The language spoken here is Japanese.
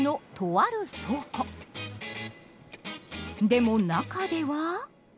でも中では。